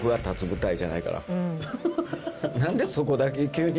なんでそこだけ急に。